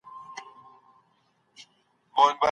که حضوري زده کړه وي، نو د بدن حرکت زیات وي.